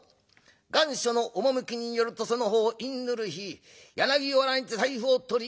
願書の趣によるとその方いんぬる日柳原にて財布を取り落とし